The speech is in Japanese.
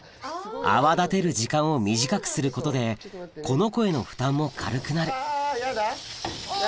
泡立てる時間を短くすることでこの子への負担も軽くなるヤダ？